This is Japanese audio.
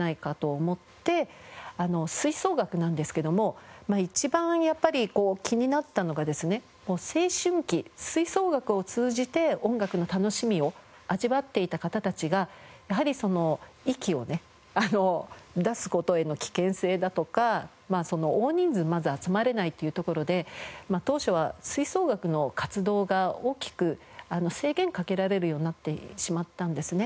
吹奏楽なんですけども一番やっぱり気になったのがですね青春期吹奏楽を通じて音楽の楽しみを味わっていた方たちがやはり息をね出す事への危険性だとか大人数まず集まれないというところで当初は吹奏楽の活動が大きく制限かけられるようになってしまったんですね。